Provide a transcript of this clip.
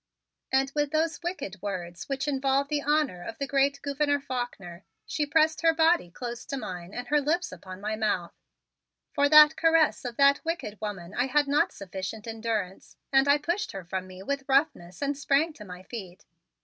And with those wicked words, which involved the honor of the great Gouverneur Faulkner, she pressed her body close to mine and her lips upon my mouth. For that caress of that wicked woman I had not sufficient endurance and I pushed her from me with roughness and sprang to my feet.